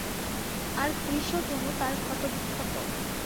আর কৃশ তনু তাঁর ক্ষতবিক্ষত।